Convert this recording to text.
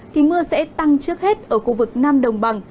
thì mưa sẽ tăng trước hết ở khu vực nam đồng bằng